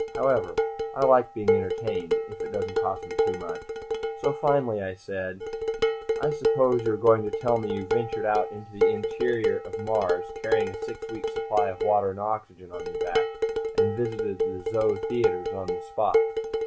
However, I like being entertained, if it doesn't cost me too much, so finally I said, "I suppose you are going to tell me you ventured out into the interior of Mars, carrying a six weeks' supply of water and oxygen on your back, and visited the Xo theaters on the spot?"